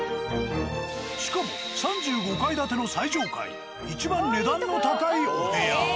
しかも３５階建ての最上階いちばん値段の高いお部屋。